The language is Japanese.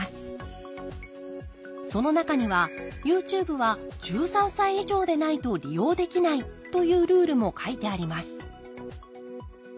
その中にはＹｏｕＴｕｂｅは１３歳以上でないと利用できないというルールも書いてあります